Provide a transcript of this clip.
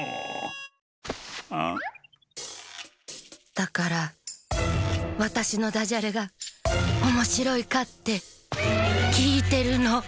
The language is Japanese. だからわたしのダジャレがおもしろいかってきいてるの！